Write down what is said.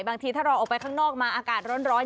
บางทีถ้าเราออกไปข้างนอกมาอากาศร้อน